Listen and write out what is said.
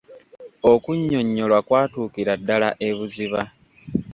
Okunnyonnyolwa kwatuukira ddala ebuziba.